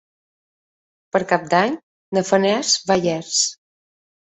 Per Cap d'Any na Farners va a Llers.